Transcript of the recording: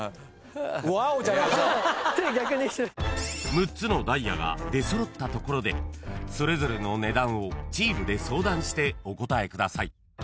［６つのダイヤが出揃ったところでそれぞれの値段をチームで相談してお答えください］